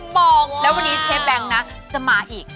เขาบอกว่าแล้ววันนี้เชฟแบงค์นะจะมาอีก